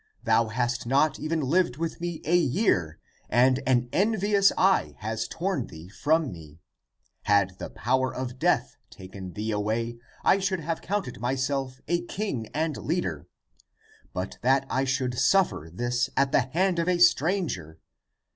Thou hast not even lived with me a year, and an envious eye has torn thee from me. Had the power of death taken thee away, I should have counted my self a king and leader ! But that I should suffer this at the hand of a stranger!